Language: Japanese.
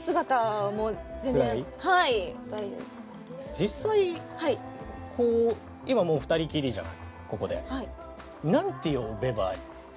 実際こう今もう２人きりじゃないここで。なんて呼べばいいとかってある？